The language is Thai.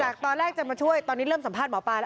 ตอนแรกจะมาช่วยตอนนี้เริ่มสัมภาษณหมอปลาแล้ว